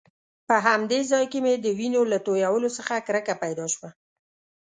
په همدې ځای کې مې د وینو له تويولو څخه کرکه پیدا شوه.